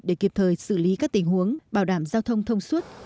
để kịp thời xử lý các tình huống bảo đảm giao thông thông suốt